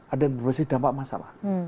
ada yang berbasis dampak masalah